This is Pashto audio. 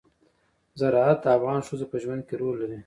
زراعت د افغان ښځو په ژوند کې رول لري.